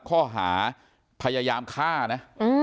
ข้อหาพยายามฆ่านะ